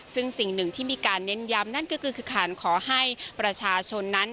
ซึ่งสิ่งหนึ่งที่มีการเน้นย้ำนั่นก็คือการขอให้ประชาชนนั้น